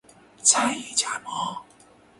餐饮加盟